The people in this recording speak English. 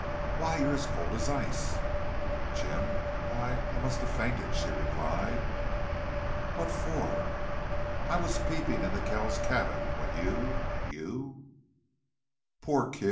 "Why, you're as cold as ice." "Jim I I must have fainted," she replied. "What for?" "I was peeping into Kells's cabin, when you you " "Poor kid!"